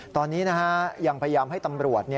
ตอนนี้ยังพยายามให้ตำรวจ